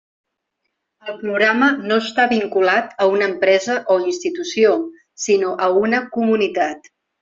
El programa no està vinculat a una empresa o institució, sinó a una comunitat.